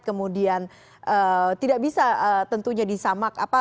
kemudian tidak bisa tentunya disamak